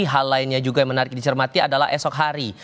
hal lainnya juga yang menarik dicermati adalah esok hari